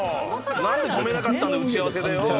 何で止めなかったんだよ、打ち合わせでよ。